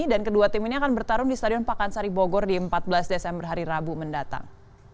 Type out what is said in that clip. dan kedua tim ini akan bertarung di stadion pakansari bogor di empat belas desember hari rabu mendatang